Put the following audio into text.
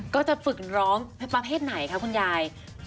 ก็จะฝึกร้องประเภทไหนคะคุณยาย